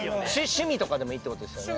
趣味とかでもいいって事ですよね。